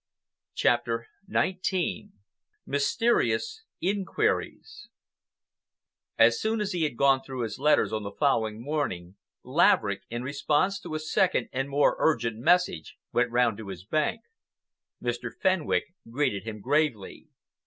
CHAPTER XIX MYSTERIOUS INQUIRIES As soon as he had gone through his letters on the following morning, Laverick, in response to a second and more urgent message, went round to his bank. Mr. Fenwick greeted him gravely.